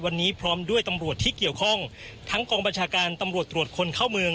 วันนี้พร้อมด้วยตำรวจที่เกี่ยวข้องทั้งกองบัญชาการตำรวจตรวจคนเข้าเมือง